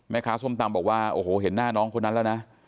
ส้มตำบอกว่าโอ้โหเห็นหน้าน้องคนนั้นแล้วนะ